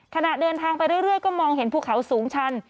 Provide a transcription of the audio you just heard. ขณะเดินทางไปเรื่อยก็มองเห็นภูเขาสูงชัน